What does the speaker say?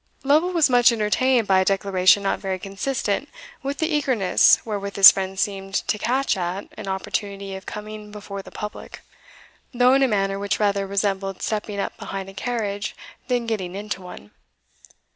Lovel was much entertained by a declaration not very consistent with the eagerness wherewith his friend seemed to catch at an opportunity of coming before the public, though in a manner which rather resembled stepping up behind a carriage than getting into one.